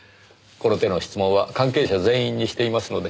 この手の質問は関係者全員にしていますので。